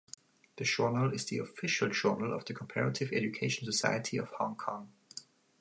The journal is the official journal of the Comparative Education Society of Hong Kong.